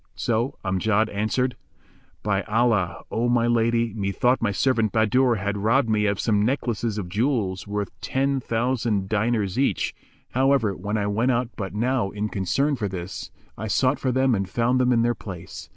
So Amjad answered, "By Allah, O my lady, methought my servant Bahadur had robbed me of some necklaces of jewels, worth ten thousand diners each; however, when I went out but now in concern for this, I sought for them and found them in their place.